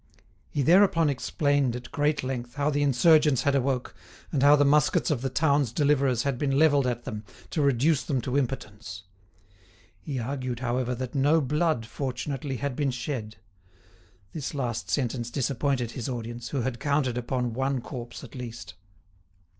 He thereupon explained at great length how the insurgents had awoke, and how the muskets of the town's deliverers had been levelled at them to reduce them to impotence. He added, however, that no blood, fortunately, had been shed. This last sentence disappointed his audience, who had counted upon one corpse at least.